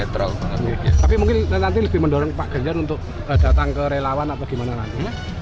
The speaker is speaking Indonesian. tapi mungkin nanti lebih mendorong pak ganjar untuk datang ke relawan atau gimana nantinya